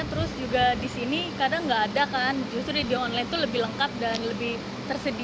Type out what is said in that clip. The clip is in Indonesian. terus juga di sini kadang nggak ada kan justru di online itu lebih lengkap dan lebih tersedia